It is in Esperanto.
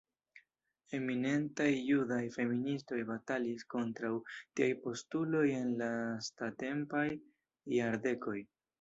Eminentaj Judaj feministoj batalis kontraŭ tiaj postuloj en lastatempaj jardekoj.